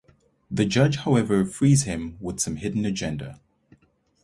The judge however frees him with some hidden agenda.